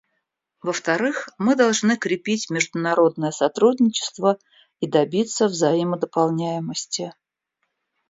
Во-вторых, мы должны крепить международное сотрудничество и добиться взаимодополняемости.